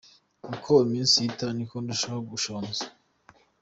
Uko iminsi ihita niko ndushaho gushonga.